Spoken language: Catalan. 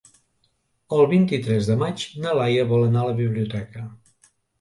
El vint-i-tres de maig na Laia vol anar a la biblioteca.